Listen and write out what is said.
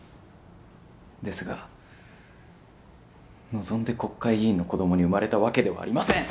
ですが、望んで国会議員の子どもに生まれたわけではありません！